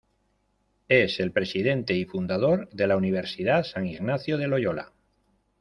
Es el presidente y fundador de la Universidad San Ignacio de Loyola.